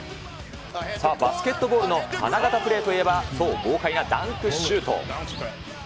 さあ、バスケットボールの花形プレーといえば、そう、豪快なダンクシュート。